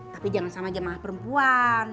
tapi jangan sama jemaah perempuan